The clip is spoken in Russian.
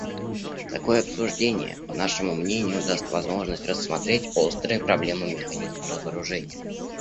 Такое обсуждение, по нашему мнению, даст возможность рассмотреть острые проблемы механизма разоружения.